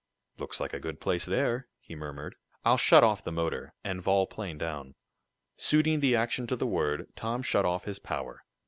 "Looks like a good place there," he murmured. "I'll shut off the motor, and vol plane down." Suiting the action to the word, Tom shut off his power.